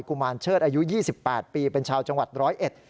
ุมารเชิดอายุ๒๘ปีเป็นชาวจังหวัดร้อยเอ็ด